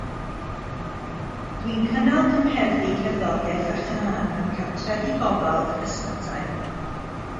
Dw i'n cynnal cyngherddau cerddoriaeth a chân mewn cartrefi gofal ac ysbytai